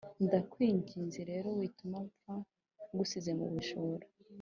ndawkinginze rero wituma mfa ngusize mubujura…….